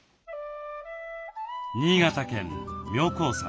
新潟県妙高山。